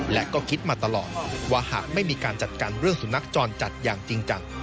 และก็คิดมาตลอดว่าหากไม่มีการจัดการเรื่องสุนัขจรจัดอย่างจริงจัง